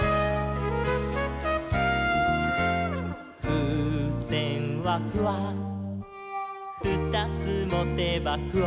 「ふうせんはフワふたつもてばフワ」